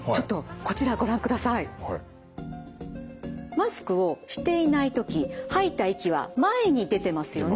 マスクをしていない時吐いた息は前に出てますよね。